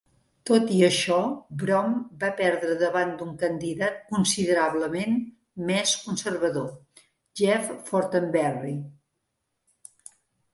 Tot i això, Bromm va perdre davant d'un candidat considerablement més conservador, Jeff Fortenberry.